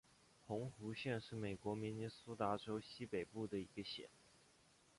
红湖县是美国明尼苏达州西北部的一个县。